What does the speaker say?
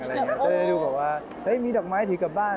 จะได้ดูเหลือว่าเฮ้ยมีดอกไม้ถือกลับบ้าน